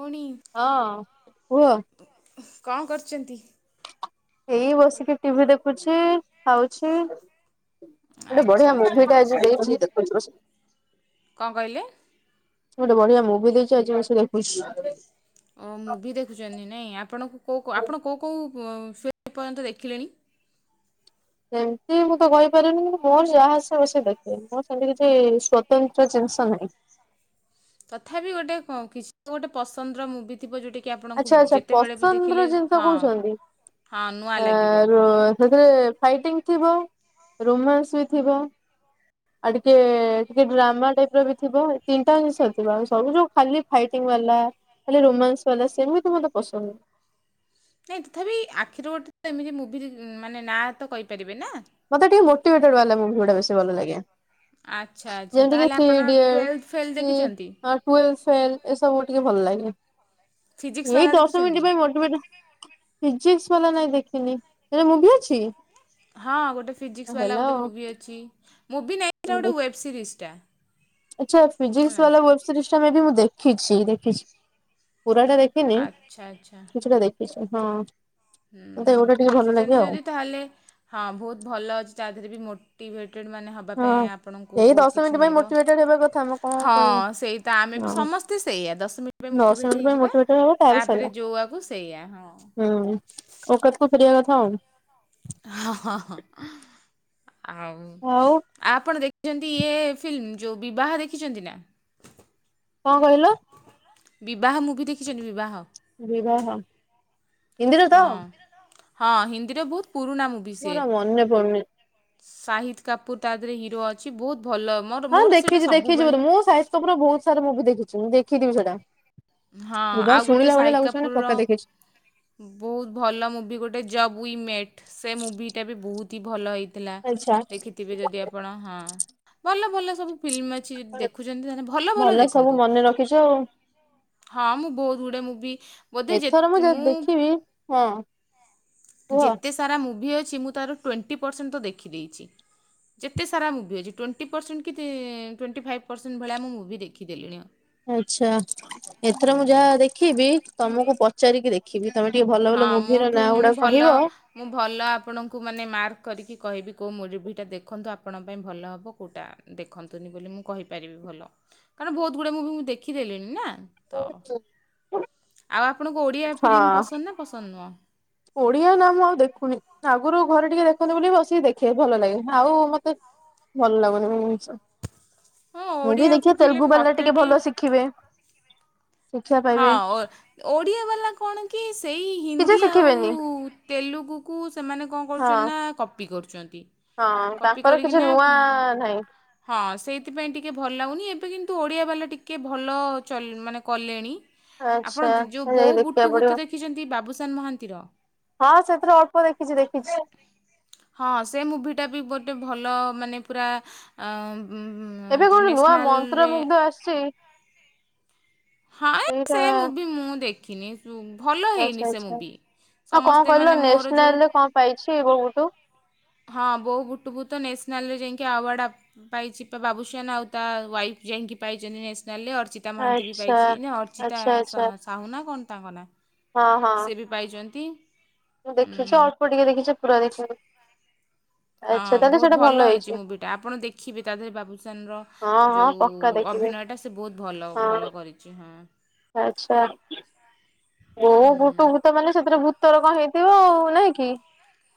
ପୁଣି ହଁ କୁହ? କଣ କରୁଚନ୍ତି? ଏଇ ବସିକି ଟିଭିି ଦେଖୁଛି। ଖାଉଛି ଗୋଟେ ଆଚ୍ଛା ବଢିଆ ଆଚ୍ଛା ମୁଭିଟେ ଆଜି ଦେଇଛି। କଣ କହିଲେ? ଗୋଟେ ବଢିଆ ମୁଭି ଦେଇଛି ଆଜି ବସି ଦେଖୁଛି। ଓ ମୁଭି ଦେଖୁଛନ୍ତି ନାଇଁ ଆପଣଙ୍କୁ କୋଉ କ ଆପଣ କୋଉ କୋଉ ପୁଅ ସେ ଏପର୍ଯ୍ୟନ୍ତ ଦେଖିଲେଣି। ସେମତି ମୁଁ ତ କହିପାରିବିନି ଜିନ୍ତୁ ମୋର ଯାହା ଆସିବ ବସି ଦେ ପ୍ରେମ ସେମତି କିଛି ସ୍ଵତନ୍ତ୍ର ଜିନିଷ ନାହିଁ। ତଥାପି ଗୋଟେ କ-କିଛି ତ ଗୋଟେ ପସନ୍ଦର ମୁଭି ଥିବ ଯୋଉଟା କି ଆପଣଙ୍କୁ ଆଚ୍ଛା ଆଚ୍ଛା ଯେତେବେଳେ ବି ଦେଖିଲେ ପସନ୍ଦର ଜିନିଷ ହଁ କହୁଛନ୍ତି ହଁ ନୂଆ ଆ ଲାଗିବ। ରୋ ସେଥିରେ ଫାଇଟିଙ୍ଗ ଥିବ ରୋମାନ୍ସ ବି ଥିବ। ଆଉ ଟିକେ ଟିକେ ଡ୍ରାମା ଟାଇପିର ବି ଥିବ ତିନଟା ଜିନଷ ଥିବ ଆଉ ସବୁ ଯୋଉ ଖାଲି ଫାଇଟିଂ ବାଲା ଖାଲି ରୋମାନ୍ସ ବାଲା ସେମିତି ମତେ ପସନ୍ଦ ନୁହଁ। ନାଇଁ ତଥାପି ଆଖିରୁ ଗୋଟେ ତ ଏମିତି ମୁଭି ଯ ଉଁ ମାନେ ନାଁ ତ କହି ପାରିବେ ନା। ମତେ ଟିକେ ମୋଟିଭେଟେଡ୍ ବାଲା ମୁଭି ଗୁଡା ବେଶୀ ଭଲ ଲାଗେ। ଆଚ୍ଛା ଆଚ୍ଛା ଯେମିତି କି ତାହେଲେ ଥ୍ରୀ ଆପଣ ଟୁଏଲଥ୍ ଫେଲ୍ ଦେଖିଚନ୍ତି? ଟୁଏଲ ଫେଲ୍ ଏସବୁ ଟିକେ ଭଲ ଲାଗେ ଫିଜିକ୍ସ ଏଇ ବାଲା ଦଶ ଦେଖିଛନ୍ତି? ମିନିଟ୍ ପାଇଁ ମୋଟିଭେଟ୍। ଫିଜିକ୍ସ ବାଲା ନାଇଁ ଦେଖିନି ସେ ମୁଭି ଅଛି? ହଁ ଗୋଟେ ଫିଜିକ୍ସ ବାଲା ହେଲା ଗୋଟେ ଆଉ। ମୁଭି ଅଛି ମୁଭି ନାଇଁ ସେଟା ଗୋଟେ ୱେବ୍ ସିରିଜ୍ ଟା। ଆଚ୍ଛା ଫିଜିକ୍ସ ବାଲା ୱେବ ସିରିଜ୍ ଟା ମେ ବି ମୁଁ ଦେଖିଚି ଦେଖିଚି ପୁରା ଟା ଦେ ହିନି ଆଚ୍ଛା ଆଚ୍ଛା କିଛିଟା ଦେଖିଚି ହଁ। ମତେ ହୁଁ ଏଗୁଟା ଟିକେ ଭଲ ଲାଗେ ଦେଖିଚନ୍ତି ଆଉ ଯଦି ତାହେଲେ ହଁ ବହୁତ ଭଲ ଅଛି ତା ଦେହରେ ବି ମୋଟିଭେଟେଡ ମାନେ ହବ ବା ପାଇଁ ହଁ। ଆପଣଙ୍କୁ ଏଇ ଦଶ ବହୁତ କିଛି ମିନିଟ୍ ପାଇଁ ମିଳିବ ମୋଟିଭେଟେଡ ହେବା କଥା ଆମେ କଣ ହଁ କହିବୁ ସେଇ ତ ଆମେ ବି ହଁ। ସମସ୍ତେ ସେଇଆ ଦଶ ମିନି ଏବେ ଦଶ ମୋଟିଭେଟ ମିନିଟ୍ ପାଇଁ ହେଇଯିବା ମୋଟିଭେଟେଡ ହବ ସଇଲା ତାପରେ ଯୋଉ ଆକୁ ସେଇଆ ହଁ। ଓକାତ କୁ ଫେରିବା କଥା ଆଉ। ହଁ ହ ହଁ ଆଉ ଆଉ ଆପଣ ଦେଖିଚନ୍ତି ଇଏ ଫିଲ୍ମ ଯୋଉ ବିବାହ ଦେଖିଚନ୍ତି ନା? କଣ କହିଲୁ? ବିବାହ ମୁଭି ଦେଖିଚନ୍ତି ବିବାହ। ବିବାହ। ହିନ୍ଦୀରେ ତ ହଁ ହଁ ହିନ୍ଦୀରେ ବହୁତ ପୁରୁଣା ମୁଭି ସିଏ। ମୋର ମନେ ପଡୁନି ସାହିଦ୍ କାପୁର ତା ଦେହେରେ ହିରୋ ଅଛି ବହୁତ ଭଲ। ମୋର ହଁ ମୋର ସେଇଟା ଦେଖିଚି ଦେଖିଚି ସବୁବେଳେ ବୋଧେ ମୁଁ ସାହିଦ୍ କପୁରର ବହୁତ ସାରା ମୁଭି ଦେଖିଚି ମୁଁ ଦେଖିଥିବି ସେଇଟା। ହଁ ବିବାହ ଆଉ ଗୋଟେ ଶୁଣିଲା ଭଳିଆ ସାହିଦ୍ ଲାଗୁଛି ମାନେ କାପୁରର ପକ୍କା ଦେଖିଛି। ବହୁତ ଭଲ ମୁଭି ଗୋଟେ ଜବ୍ ଉଇ ମେଟ୍ ସେ ମୁଭିଟା ବି ବହୁତ। ତି ଭଲ ହେଇଥିଲା ଆଚ୍ଛା। ଦେଖିଥିବେ ଯଦି ଆପଣ ହଁ ଭଲ ଭଲ ସବୁ ଫିଲ୍ମ ଅଛି ଦେଖୁଚନ୍ତି ତାହେଲେ ଭଲ ଭଲ ଦେଖନ୍ତୁ। ଏ ଯୋଉ ହଁ ମୁଁ ବହୁତ ଗୁଡେ ମୁଭି ବୋଧେ ଯେ ଏଥର ତ ଯଦି ମୁଁ ଦେଖିବି ହଁ କୁହ। ଯେତେ ସାରା ମୁଭି ଅଛି ମୁଁ ତାର ଟ୍ୱେଣ୍ଟି ପରସେଣ୍ଟ ତ ଦେଖିଦେଇଚି। ଯେତେ ସାରା ମୁଭି ଅଛି ଟ୍ୱେଣ୍ଟି ପରସେଣ୍ଟ କି ତି ଟ୍ୱେଣ୍ଟି ଫାଇଭ୍ ପରସେଣ୍ଟ ଭଳିଆ ମୁଁ ମୁଭି ଦେଖିଦେଲିଣି। ଆଚ୍ଛା ଏଥର ମୁଁ ଯାହା ଦେଖିବି ତମୁକୁ ପଚାରିକି ଦେ ଖିବି ତମେ ଟିକେ ଭଲ ଭଲ ହଁ ମୁଭିର ମୋଠୁ ନାଁ ମୁଁ ଗୁଡା ଭଲ କହିବ। ମୁଁ ଭଲ ଆପଣଙ୍କୁ ମାନେ ମାର୍କ କରିକି କହିବି କୋଉ ମୁର୍ଭିଟା ଦେଖନ୍ତୁ ଆପଣଙ୍କ ପାଇଁ ଭଲ ହବ କୋଉଟା ଦେଖନ୍ତୁନି ବୋଲି ମୁଁ କହିପାରିବି ଭଲ କାରଣ ବହୁତ ଗୁଡେ ମୁଭି ମୁଁ ଦେଖି ଦେଲିଣି ନା। ତ ଆଉ ଆପଣଙ୍କୁ ଓଡ଼ିଆ ଫିଲ୍ମ ପସନ୍ଦ ନା ପସନ୍ଦ ନୁହଁ? ଓଡିଆ ନା ମୁଁ ଆଉ ଦେଖୁନି ଆଗୁରୁ ଘରେ ଟିକେ ଦେଖନ୍ତି ବୋଲି ବସିକି ଦେଖେ ଭଲ ଲାଗେ ଆଉ ମତେ ଭଲ ଲାଗୁନି ହଁ ଓଡ଼ିଆ ମୁଭି ଦେଖିବା ଫିଲ୍ମ ତେଲଗୁ ବାଲା ମୋତେ ଟିକେ ବି ଭଲ ଶିଖିବେ ଶିକ୍ଷା ପାଇବେ ହଁ ଓଡ଼ିଆ ବାଲା କଣ କି ସେଇ କିଛି ହିନ୍ଦୀ ଶିଖିବେନି ଆଉ ତେଲୁଗୁକୁ ସେମାନେ କଣ କରୁଛନ୍ତି ହଁ। ନା କପି କରୁଛନ୍ତି। ହଁ କପି ତାଙ୍କର କିଛି କରିକିନା ନୂଆ ନାହିଁ। ହଁ ସେଇଥିପାଇଁ ଟିକେ ଭଲ ଲାଗୁନି ଏବେ କିନ୍ତୁ ଓଡ଼ିଆ ବାଲା ଟିକେ ଭଲ ଚଲେ ମାନେ କଲେଣି। ଆପଣ ଆଚ୍ଛା ଯୋଉ ଯାଇ ବୋଉ ଦେଖିବାକୁ ପଡିବ। ବୁଟୁଭୂତ ଦେଖିଛନ୍ତି ବାବୁସାନ ମହାନ୍ତିର? ହଁ ସେଥିରେ ଅଳ୍ପ ଦେଖିଛି ଦେଖିଛି। ହଁ ସେ ମୁଭିଟା ବି ଗୋଟେ ଭଲ ମାନେ ପୁରା ଆ ଏବେ କଣ ନୂଆ ମନ୍ତ୍ର ମୁଗ୍ଧ ଆସିଛି ହଁ, ସେଇଟା ସେ ମୁଭି ମୁଁ ଦେଖିନି। ଭଲ ହେଇନି ସେ ମୁଭି। ହଉ କଣ ସମସ୍ତେ କହିଲ? ମାନେ ମୋର ଯୋଉ ନ୍ୟାସନାଲ ରେ କଣ ପାଇଛି ବୋଉବୁଟୁ? ହଁ, ବୋଉବୁଟୁ ଭୂତ ନେସନାଲ ରେ ଯାଇକି ଆୱାର୍ଡ ଆ ପାଇଛି ବାବୁସଆନ୍ ଆଉ ତା ୱାଇଫ୍ ଯାଇକି ପାଇଛନ୍ତି, ନ୍ୟାସନାଲରେ। ଅର୍ଚ୍ଚତା ମହାନ୍ତି ବି ଆଚ୍ଛା। ପାଇ ଅର୍ଚିତା ଆଚ୍ଛା ଆଚ୍ଛା ସାହୁନା କଣ ତାଙ୍କ ନା? ହଁ ହଁ ସେ ବି ପାଇଛନ୍ତି। ମୁଁ, ଦେଖିଛି ଉଁ, ଅଳ୍ପ ଟିକେ ଦେଖିଛି, ପୁରା ଦେଖିନି। ହଁ, ଆଚ୍ଛା ତାହେଲେ ବହୁତ ସେଇଟା ଭଲ ହେଇଛି ମୁଭିଟା। ଆପଣ ଦେଖିବେ ତା ଦେହରେ ବାବୁଶାନ୍ ର ହଁ ହଁ ପକ୍କା ଯେଉଁ ଦେଖିବି ଅଭିନୟଟା ସେ ବହୁତ ଭଲ, ହଁ ଭଲ କରିଛି ହଁ। ଆଚ୍ଛା। ବୋଉ ହୁଁ। ବୁଟୁ ଭୂତ ମାନେ ସେଥିରେ ଭୁ ତୋର କଣ ହେଇଥିବ ଆଉ ନାଇଁ କି?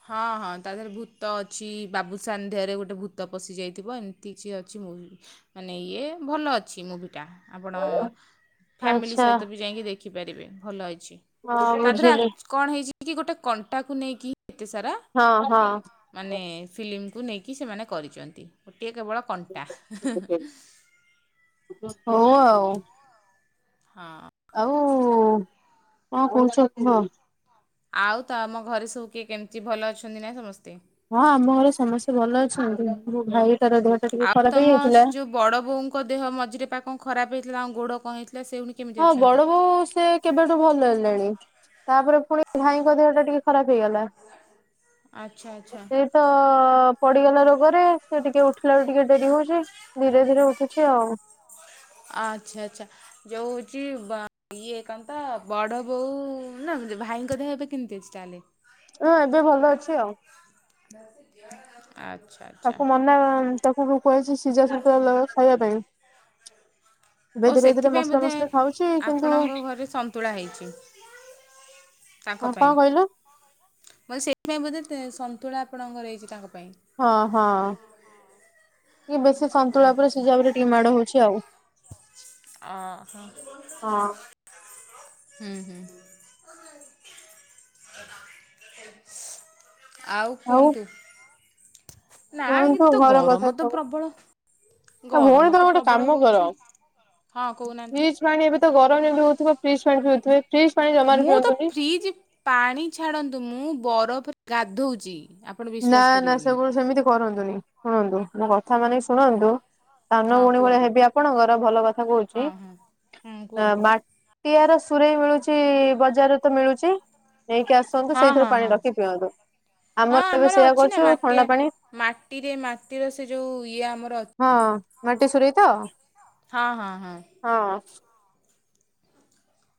ହଁ, ହଁ ତା ଦେହରେ ଭୂତ ଅଛି। ବାବୁଶାନ୍ ଦେହରେ ଗୋଟେ ଭୂତ ପଶିଯାଇଥିବ ଏମ ଏତି କିଛି ଅଛି ମୁଭି ମାନେ ଇଏ ଭଲ ଅଛି ମୁଭିଟା। ଆପଣ ଫ୍ୟାମିଲି ଆଚ୍ଛା। ସହିତ ବି ଯାଇକି ଦେଖିପାରିବେ ଭଲ ହେଇଛି। ହଁ ତା ବୁଝିଲି ଦେହରେ କଣ ହେଇଛି କି ଗୋଟେ କଣ୍ଟାକୁ ନେଇକି ଏତେ ସାରା ହଁ, ହଁ। ମାନେ ଫିଲ୍ମକୁ ନେଇକି ସେମାନେ କରିଛନ୍ତି ଗୋଟିଏ କେବଳ କଣ୍ଟା। ହଉ ଆଉ। ହଁ। ଆଉ କଣ କହୁଛ କୁହ। ଆଉ ତ ଆମ ଘରେ ସବୁ କିଏ କେମିତି ଭଲ ଅଛନ୍ତି ନାାଇଁ ସମସ୍ତେ? ହଁ, ଆମ ଘରେ ସମସ୍ତେ ଭଲ ଅଛନ୍ତି। ମୋ ଭାଇ ତାର ଦେହ ଟା ଟିକେ ଖରାପ ହେଇଯାଇଥିଲା। ବଡ ବୋଉଙ୍କ ଦେହ ମଝିରେ ପା କଣ ଖରାପ ହେଇଥିଲା, ଆଉ ଗୋଡ କଣ ହେଇଥିଲା ସେଉ ହଁ ବଡ ବୋଉ ସେ କେବେଠୁ ଭଲ ହେଲେଣି। ତାପରେ ପୁଣି ଭାଇଙ୍କ ଦେହ ଟା ଟିକେ ଖରାପ ହେଇଗଲା। ଆଚ୍ଛା ଆଚ୍ଛା ସେ ତ ପଡିଗଲା ରୋଗରେ ସେ ଟିକେ ଉଠିଲା ବେଳକୁ ଟିକେ ଡେରି ହଉଛି। ଧୀରେ ଧୀରେ ଉଠୁଛି ଆଉ। ଆଚ୍ଛା। ଆଚ୍ଛା। ଯୋଉ ହଉଛି ଇଏ କନ୍ତା ବଡ ବୋଉ ନା ଭାଇଙ୍କ ଦେହ ଏବେ କିିମିଟିଅଛି ତାହେଲେ? ହ ଏବେ ଭଲ ଅଛି ଆଉ। [unintelligible] ଆଚ୍ଛା। ତାକୁ ମନା ତାକୁ ବି କୁହାଯାଇଛି ସିଝା ସିଜା ଖାଇବା ପାଇଁ। ଏବେ ଓ ଧୀରେ ଧୀରେ ସେଥିପାଇଁ ମସଲା ବୋଧେ ମସଲା ଖାଉଛି କିନ୍ତୁ ଆପଣଙ୍କ ଘରେ ସନ୍ତୁଳା ହେଇଛି ହଁ, କଣ କହିଲ? ବ [unintelligible] ସେଇଥିପାଇଁ ବୋଧେ ସନ୍ତୁଳା ଆପଣଙ୍କର ହେଇଛି ତାଙ୍କ ପାଇଁ? ହଁ ହଁ ଇଏ ବେଶୀ ସନ୍ତୁଳା ପରେ ଆଚ୍ଛା ସିଝାବରେ ଟିକେ ମାଡ ହୋଉଚି ଆଉ। ଓହୋ ହଁ ହୁଁ ହୁଁ [unintelligible] ଆଉ କୁଅନ୍ତୁ। ନା ଏଇ କୁହନ୍ତୁ ତ ଘର କଥା ଗରମ ତ ସବୁ ପ୍ରବଳ ଆଉ ଭଉଣୀ ଗରମ ତମେ ତ ଗୋଟେ ପ୍ରବଳ କାମ କର ହୋଉଚି, ହଁ କୋଉନାହାନ୍ତି ଫ୍ରିଜ ପାଣି ଏବେ ତ ଗରମ ଯେତି ହୋଉଥିବ ପ୍ରିଜ ପାଣି ପିଉଥିବେ ଫ୍ରିଜ ପାଣି ଜମାରୁ ମୁଁ ତ ପିଅନ୍ତୁନି ଫ୍ରିଜି ପାଣି ଛାଡନ୍ତୁ, ମୁଁ ବରଫରେ ଗାଧୋଉଚି ଆପ୍ ନା ନା ସେବୁଲ୍ ସେମିତି କରନ୍ତୁନି, ଶୁଣନ୍ତୁ ମୋ କଥା ମାନକି ଶୁଣନ୍ତୁ ସାନ ହଁ ଭୋଉଣୀ ଭଳିଆ କୁହନ୍ତୁ ହେବି ଆପଣଙ୍କର ଭଲ କଥା ହଁ କହୁଛି ହଁ ହଁ କୁହନ୍ତୁ ମା ଟିଆର ସୁରେଇ ମିଳୁଚି ବଜାରେ ତ ମିଳୁଚି ନେଇକି ଆସନ୍ତୁ ହଁ ସେଇଥିରୁ ହଁ ପାଣି ହଁ ରଖି ପିଅନ୍ତୁ। ହଁ ଆମର ଏବେ ସେଇୟା ଅଛି ନା କରୁଚୁ ମାଟିଆ ଥଣ୍ଡା ପାଣି ମାଟିରେ ମାଟିରେ ସେ ଯୋଉ ଇଏ ଆମର ଅଛ ହଁ ମାଟି ସୁୁରେଇତ ହଁ ହଁ ହଁ ହଁ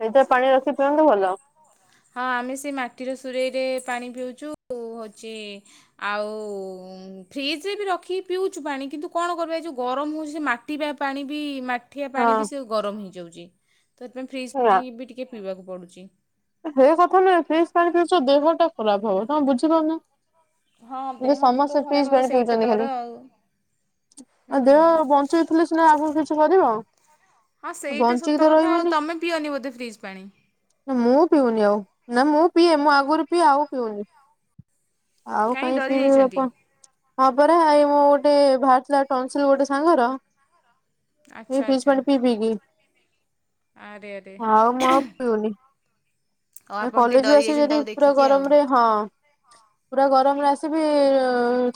ଏଇତିରେ ପାଣି ରଖି ପିଅନ୍ତୁ ଭଲ। ହଁ ଆମେ ସେଇ ମାଟିର ସୁରେଇରେ ପାଣି ପିଉଚୁ ଉ ହୋଉଚି ଆଉ ଫ୍ରିଜିରେ ବି ରଖିକି ପିଉଚୁ ପାଣି କିନ୍ତୁ କଣ କରିବା ଏ ଯେଉଁ ଗରମ ହେଉଚି ସେ ମାଟ ତିବା ପାଣି ବି ମାଟ ଠିଆ ପାଣି ବି ହଁ ସେ ଗରମ ହେଇଯାଉଚି। ତ ଏଥିପାଇଁ ଫ୍ରିଜ୍ ପାଇଁ ବି ଟିକେ ପିଇବାକୁ ପଡୁଚି। ହେ କଥା ନୁହେଁ, ଫ୍ରୀଜ୍ ପାଣି ଦେହଟା ଖରାପ ହବ, ତମ ବୁଝିପାରୁନ। ହଁ ଏବେ ଦେହ ତ ସମସ୍ତେ ଖରାପ ପିଜ୍ ହବ ପାଣି ସେଇ ତ ପିଉଚନ୍ତି ଡର ଖାଲି। ଆଉ ଆଉ ଦେହ ହୁଁ ବଞ୍ଚେଇଥିଲେ ସିନା ଆଗକୁ କିଛି କରିବ। ହଁ ସେଇଟା ବଞ୍ଚିକି ସତ ତ କଥା ଉ, ରହିବନି ତୁମେ ପିଅନି ବୋଧେ ଫ୍ରିଜ୍ ପାଣି ମୁଁ ପିଉନି ଆଉ, ନା ମୁଁ ପିଏ ମୁଁ ଆଗରୁ ପିଏ ଆଉ ପିଉନି। ଆଉ କାହିଁ କାଇଁ ଡରି ପିବେ ଯାଇଛନ୍ତି ଆପଣ ହଁ ପରା ଆଇ ମୁଁ ଗୋଟେ ଭାର ଥିଲା ଟନ୍ ସିଲ୍ ଗୋଟେ ସାଙ୍ଗର ଏ ଆଚ୍ଛା ଫିସ୍ ଆଚ୍ଛା ପାଣି ପି ପିଇ କି, ଆରେ ଆରେ ଆଉ ମୁଁ ଆଉ ପିଉନି। ଆଉ ଆ ଆପଣ ଟିକେ କଲେଜ ରୁ ଡରି ଆସି ଯାଇଛନ୍ତି ଯଦି ତାକୁ ପୁରା ଦେଖିକି ଆଉ ଗରମ୍ ରେ ହଁ ପୁରା ଗରମ ରେ ଆସିବି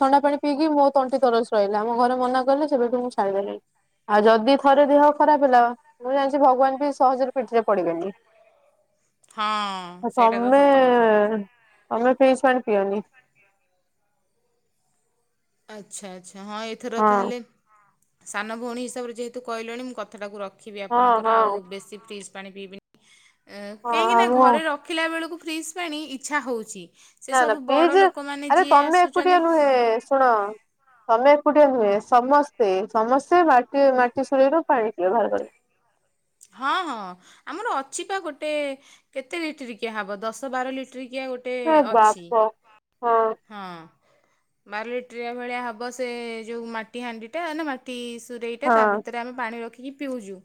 ଥଣ୍ଡା ପାଣି ପିଇକି ମୋ ତଣ୍ଟି ତରସ ରହିଲା, ମୋ ଘରେ ମନା କଲେ ସେବେଠୁ ମୁ ଚା [unintelligible] ଆଉ ଯଦି ଥରେ ଦେହ ଖରାପ ହେଲା, ମୁଁ ଜାଣିଚି ଭଗବାନ ବି ସହଜରେ ପିଠିରେ ପଡିବେନି। ହଁ ଆ ସେଇଟା ତ ସତ କଥା। ତମେଏ, ତମେ ଫିଶ୍ ପାଣି ପିଅନି। ଆଚ୍ଛା ଆଚ୍ଛା ହଁ ଏଇଥର ହଁ ତାହେଲେ ସାନ ଭଉଣୀ ହିସାବରେ ଯେହେତୁ କଇଲେଣି ମୁଁ କଥାଟାକୁ ରଖ ଖିବି ହଁ ଆପଣଙ୍କର ଆଉ ହଁ ବେଶୀ ଫ୍ରିଜ୍ ପାଣି ପିଇବି, ଏଁ କଇଁକି ହଁ ନା ମୁଁ ଘରେ ର ଖିଲା ବେଳକୁ ଫ୍ରିସ୍ ପାଣି, ଇଚ୍ଛା ହୋଉଚି ନା ନା ଫ୍ରୀଜି, ଆରେ ତମେ ଏକୁଟିଆ ନୁହେଁ ଶୁଣ ତମେ ଏକୁଟିଆ ନୁହେଁ, ସମସ୍ତେ ସମସ୍ତେ ବାଟି ମାଟି ଶୁରେଇ ରୁ ପାଣି ପିଅ ଘରେ ଘରେ ହଁ ହଁ ଆମର ଅଛି ପା ଗୋଟେ କେତେ ଲିଟରି କିିଆ ହବ ଦଶ ବାର ଲିଟ୍ରିକିିଆ ଗୋଟ ହେ ବାପ, ହଁ ହଁ ବାର ଲିଟ୍ରିଆ ଭଳିଆ ହେବ ସେ ଯୋଉ ମାଟି ହାଣ୍ଡିଟା ନା ମା ଟି ସୁରେଇଟା ତା ଭିତରେ ଆମେ ପାଣି ରଖିକି ପିଉଜୁ,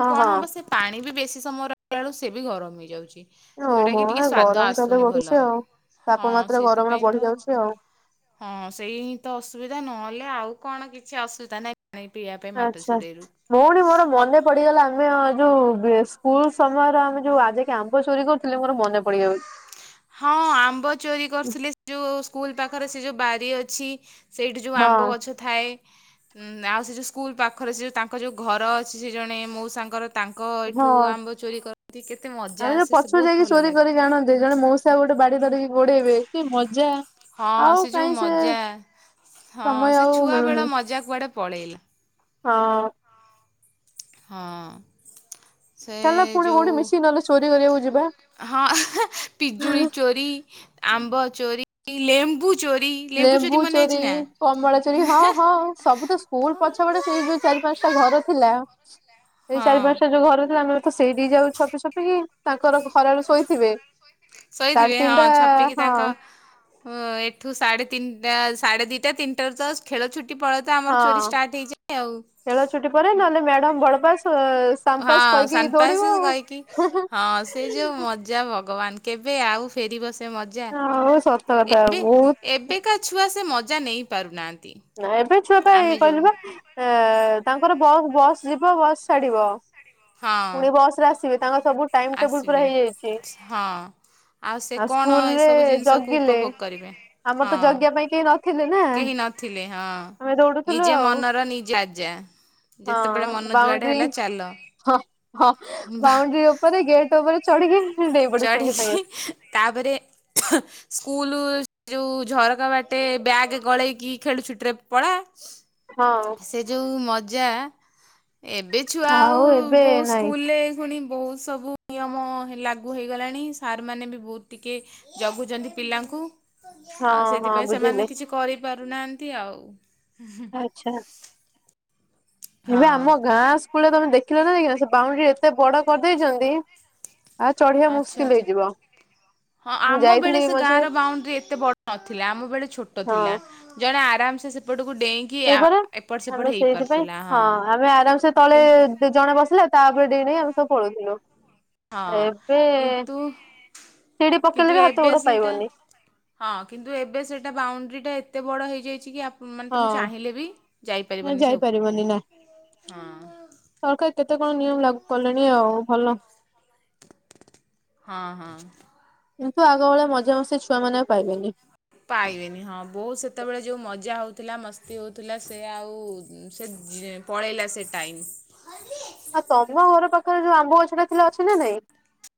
ହଁ ହଁ କଣ ହବ ସେ ପାଣି ବି ବେଶୀ ସମୟ ରହି ଲା ବେଳୁ ସେ ବି ଗରମ୍ ହେଇଯାଉଚି। ଯୋଉଟା ଓହୋ କି ଟିକେ ଏ ସ୍ଵାଦ ଗରମ ତାହେଲେ ଆସୁନି ଭଲ। ବଢୁଛି ଆଉ ହଁ ତାପମାତ୍ରା ଗରମର ବଢି ଯାଉଛି ଆଉ। ସେଇହିଁତ ଅସୁବିଧା ନହେଲେ ଆଉ କଣ କିଛି ଅସୁବଦା ନାଇଁ। [inaudible] ଆଚ୍ଛା, ଭଉଣୀ ମୋର ମତେ ମନେ ପଡିଗଲା ଆମେ ଯୋଉ ବେ-ସ୍କୁଲ ସମୟରେ ଆମେ ଯୋଉ ଗାଧେଇକି ଆମ୍ବ ଚୋରି କରୁଥିଲେ ମୋର ମନେ ପଡିଯାଉଚି। ହଁ ଆମ୍ବ ଚୋରି କରୁଥିଲେ-ଯୋଉ ସ୍କୁଲ ପାଖରେ ସେ ଯୋଉ ବାରି ଅଛି ସେଇଠି ଯୋଉ ହଁ ଆମ୍ବ ଗଛ ଥାଏ ଉଁ ଆଉ ସେ ଯୋଉ ସ୍କୁଲ ପାଖରେ ସେ ଯୋଉ ତାଙ୍କ ଯୋଉ ଘର ଅଛି ସେ ଜଣେ ମଉସାଙ୍କର ତାଙ୍କ ଏଠୁ ହଁ। ଆମ୍ବ ଚୋରି କର-ନ୍ତି କେତେ ମଜା ଆସେ ସେ ବହୁତ ଭଲ ଲାଗେ। ଜାଣନ୍ତି ଜଣେ ମଉସା ଗୋଟେ ବାଡି ଧରିକି ଗୋଡେଇବେ କି ମଜା। ହଁ ଆଉ ସେ ଯୋଉ କାହିଁ ମଜା, ହଁ ସମୟ ସେ ଆଉ ମିଳୁନି। ଛୁଆବେଳ ମଜା କୁଆଡ଼େ ପଳେଇଲା। ହଁ। ହଁ। ସେ ଚାଲ ପୁଣି ଯୋଉ କୋଉଠେ ମିଶିକି ନହେଲେ ଚୋରି କରିଆକୁ ଯିବ୍ ହଁ ପିଜୁଳି ଚୋରି ଆମ୍ବ ଚୋରି-ଲେମ୍ବୁ ଲେମ୍ବୁ ଚୋରି କମଳା ଚୋରି ହଁ ହଁ ସବୁ ତ ସ୍କୁଲ୍ ହଁ ପଛପଟେ ସେଇ ଯୋଉ ଚାରି ପାଞ୍ଚ୍ ଟା ଘର ଥିଲା, ସେଇ ଚାରି ପାଞ୍ଚ୍ ଟା ଯୋଉ ଘର ଥିଲା ଆମେ ତ ସେଇଠିକି ଯାଉ ଛପି ଛପିକି ତାଙ୍କର ଖରାରେ ଶୋଇଥିବେ ସାଢେ ଶୋଇଥିବେ ହଁ ତିନିଟା ଛପିକି ହଁ ତାଙ୍କ ହଁ ଏଠୁ ସାଢେତିନଟା ସାଢେଦିଇଟା ତିନଟା ତ ଖେଳଛୁଟି ପଳ ହଁ ଖେଳ ଛୁଟି ପରେ ନହେଲେ ମ୍ୟାଡାମ ବଡପାସ୍ ସ ହଁ ସାନ୍ ପାସ୍ କହିକି ହଁ ସେ ଯୋଉ ମଜା ଭଗବାନ୍। କେବେ ଆଉ ଫେରିବ ସେ ମଜା ସତକଥା ଏବେ ବହୁତ୍ ଏବେକା ଛୁଆ ସେ ମଜା ନେଇପାରୁନାହାଁନ୍ତି। ନାଇଁ ଏବେ ଛୁଆ ପାଇଁ କହିଲି ବା ଏ ତାଙ୍କର ବସ୍ ବସ୍ ଯିବ ବସ୍ ଛାଡିବ। ହଁ ପୁଣି ବସ୍ ରେ ଆସିବେ ତାଙ୍କର ସବୁ ଟାଇମ ଟେବୁଲ ପୁରା ଆସିବେ ହେଇଯାଇଚି। ହଁ ସେ ଆଉ କଣ ସ୍କୁଲ୍ ରେ ଏସବୁ ଜିନିଷକୁ ଜଗିଲେ ଉପଭୋଗ କରିବେ ଆମର ତ ହଁ ଜଗିବା ପାଇଁ କେହି ନଥିଲେ ନା। କେହି ନଥିଲେ ହଁ। ଆମେ ଦୌଡୁଥିଲୁ ନିଜେ ଆଉ ମନର ନିଜେ ଆଜା ଯେତେବେଳେ ହଁ ମନ ଯୁଆଡେ ବାଉଣ୍ଡ୍ରି ହେଲା ଚାଲ। ହଁ ହଁ ବା ବାଉଣ୍ଡ୍ରି ଉପରେ ଗେଟ୍ ଉପରେ ଚଢିକି ଡେଇଁପଡିବୁ ସାଙ୍ଗେ ସାଙ୍ଗେ ଚଢ଼ିକି ତାପରେ ସ୍କୁଲୁ ଯୋଉ ଝରକା ବାଟେ ବ୍ୟାଗେ ଗଳେଇକି ଖେଳ ଛୁଟିରେ ପଳା। ହ [inaudible] ହଁ ସେ ଯୋଉ ମଜା ଏବେ ଛୁଆ ଆଉ ଏବେ ବହୁତ୍ ନାଇଁ ସ୍କୁଲରେ ପୁଣି ବହୁତ୍ ସବୁ ନିୟମ ହେଲା। ଲାଗୁ ହେଇଗଲାଣି ସାରମାନେ ବି ବହୁତ୍ ଟିକେ ଜଗୁଚନ୍ତି ପିଲାଙ୍କୁ। ହଁ ଆଉ ହଁ ସେଥିପାଇଁ ସେମାନେ ବୁଝିଲି କିଛି କରିପାରୁନାହାନ୍ତି ଆଉ। ଆଚ୍ଛା। ହଁ ଏବେ ଆମ ଗାଁ ସ୍କୁଲରେ ତମେ ଦେଖିଲ ନା ନାଇକା ସେ ବାଉଣ୍ଡ୍ରି ଏତେ ବଡ କରିଦେଇଚନ୍ତି ଚଢିବା ଆଚ୍ଛା ମୁସ୍କିଲ୍ ଆଚ୍ଛା। ହେଇଯିବ। ହଁ ମୁଁ ଆମ ବେଳେ ଯାଇଥିଲି ସେ ଗାଁ ମଝିରେ ର ବାଉଣ୍ଡ୍ରି ଏତେ ବଡ ନଥିଲା ଆମ ବେଳେ ଛୋଟ ହଁ ଥିଲା। ଜଣେ ଆରାମ୍ ସେ ସେପଟକୁ ଡେଇଁ ସେଇପରା ଆମେ ସେଇଥି ପାଇଁ ହଁ ଆମେ ଆରାମ ସେ କି ତଳେ ସେ ଜଣେ ବସିଲେ ତାପରେ ଡେଇଁ ଡେଇଁ ଆମେ ସବୁ ପଳଉଥିଲୁ। ହଁ ଏବେ କିନ୍ତୁ ସିଡି କିନ୍ତୁ ପକେଇଲେ ବି ହାତ ଏବେ ଗୋଡ ସେଇଟା ପାଇବନି। ହଁ କିନ୍ତୁ ଏବେ ସେଇଟା ବାଉଣ୍ଡ୍ରିଟା ଏତେ ବଡ଼ ହେଇଯାଇଛି କି ଆ ମାନେ ତମେ ହଁ ଚାହିଁଲେ ବି ଯାଇପାରିବନି ସେ ଯାଇପାରିବନି ନା ଉପରକୁ ହଁ। ସରକାର କେତେ କଣ ନିୟମ ଲାଗୁ କଲେଣି ଆଉ ଭଲ। ହଁ ହଁ। କିନ୍ତୁ ଆଗ ଭଳିଆ ମଜାମସ୍ତି ଛୁଆମାନେ ଆଉ ପାଇବେନି। ପାଇବେନି ହଁ ବହୁ ସେତେବେଳେ ଯୋଉ ମଜା ହେଉଥିଲା ମସ୍ତି ହେଉଥିଲା ସେ ଆଉ ସେ ଯେ ପଳେଇଲା ସେ ଟାଇମ୍। ଆଉ ତମ ଘର ପାଖରେ ଯୋଉ ଆମ୍ବ ଗଛ ଟା ଥିଲା ଅଛି ନା ନାଇଁ?